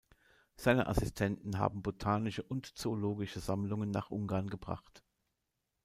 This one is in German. Seine Assistenten haben botanische und zoologische Sammlungen nach Ungarn gebracht.